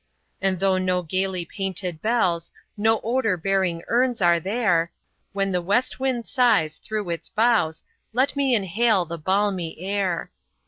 And though no gaily painted bells, Nor odor bearing urns, are there, When the west wind sighs through its boughs, Let me inhale the balmy air!